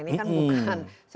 ini kan bukan